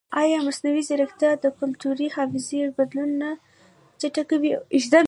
ایا مصنوعي ځیرکتیا د کلتوري حافظې بدلون نه چټکوي؟